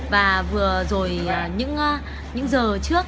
và vừa rồi những giờ trước